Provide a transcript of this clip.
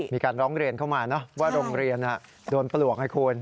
มีการร้องเรียนเข้ามาว่าโรงเรียนโดนปลวกให้คุณ